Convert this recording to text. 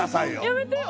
「やめてよ